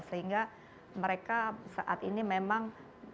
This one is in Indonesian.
sehingga mereka saat ini memang